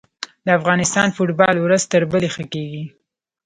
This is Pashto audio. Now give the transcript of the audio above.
د افغانستان فوټبال ورځ تر بلې ښه کیږي.